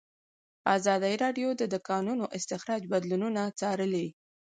ازادي راډیو د د کانونو استخراج بدلونونه څارلي.